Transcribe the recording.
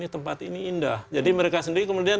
tempat ini indah jadi mereka sendiri kemudian